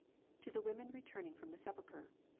To the women returning from the sepulchre.